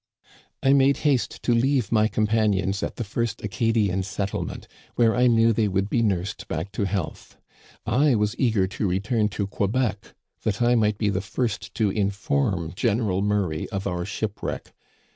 " I made haste to leave my companions at the first Acadian settlement, where I knew they would be nursed back to health. I was eager to return to Quebec, that I might be the first to inform General Murray of our shipwreck.